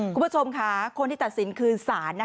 คุณผู้ชมค่ะคนที่ตัดสินคืนศาล